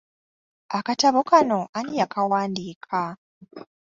Akatabo kano ani yakawandiika?